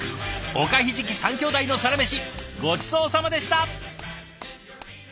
おかひじき３兄弟のサラメシごちそうさまでした！